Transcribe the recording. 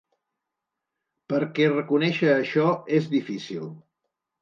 Perquè reconèixer això és difícil.